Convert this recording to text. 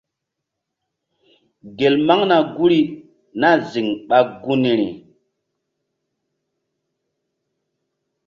Gel maŋna guri nah ziŋ ɓa gunri.